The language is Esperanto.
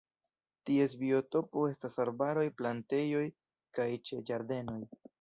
Ties biotopo estas arbaroj, plantejoj kaj ĉe ĝardenoj.